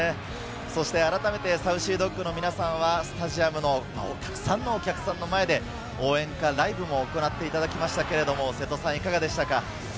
改めてＳａｕｃｙＤｏｇの皆さんはスタジアムのたくさんのお客さんの前で応援歌ライブも行っていただきましたが、せとさんいかがでした？